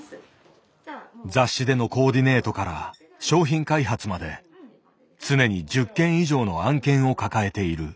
雑誌でのコーディネートから商品開発まで常に１０軒以上の案件を抱えている。